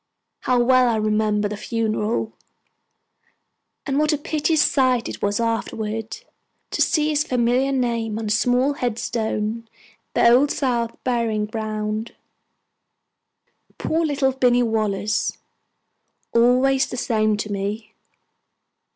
How well I remember the funeral, and what a piteous sight it was afterwards to see his familiar name on a small headstone in the Old South Burying Ground! Poor little Binny Wallace! Always the same to me.